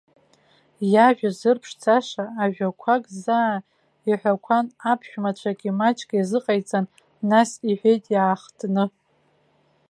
Иажәа зырԥшӡаша ажәақәак заа иҳәақәан, аԥшәмацәагьы маҷк иазыҟаиҵан, нас иҳәеит иаахтны.